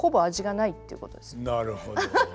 なるほど。